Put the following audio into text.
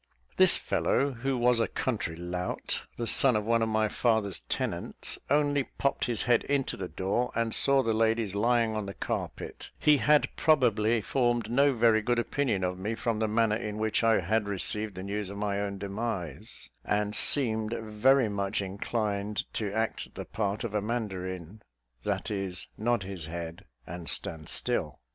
This fellow, who was a country lout, the son of one of my father's tenants, only popped his head into the door, and saw the ladies lying on the carpet; he had probably formed no very good opinion of me from the manner in which I had received the news of my own demise, and seemed very much inclined to act the part of a mandarin, that is, nod his head and stand still.